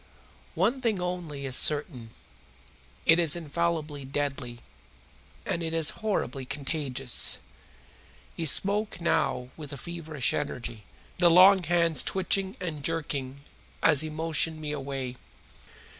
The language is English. One thing only is certain. It is infallibly deadly, and it is horribly contagious." He spoke now with a feverish energy, the long hands twitching and jerking as he motioned me away.